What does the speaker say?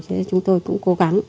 thế chúng tôi cũng cố gắng